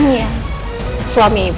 iya suami ibu